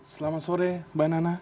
selamat sore mbak nana